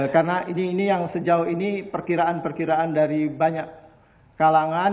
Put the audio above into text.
karena ini yang sejauh ini perkiraan perkiraan dari banyak kalangan